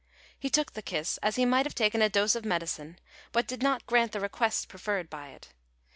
He took the kiss as he might have taken a dose of medicine, but did not grant the request preferred by it.